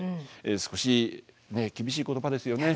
少し厳しい言葉ですよね。